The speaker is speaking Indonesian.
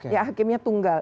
ya hakimnya tunggal